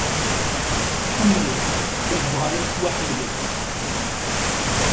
Ḥemmlet ma tebɣam ad tettwaḥemmlem!